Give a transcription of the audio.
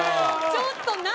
ちょっと何？